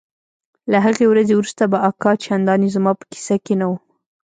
له هغې ورځې وروسته به اکا چندانې زما په کيسه کښې نه و.